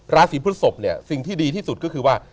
ราศีพฤศพเนี่ยสิ่งที่ดีที่สุดก็คือว่า